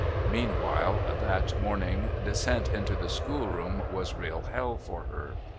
Meanwhile, that morning descent into the schoolroom was real hell for her.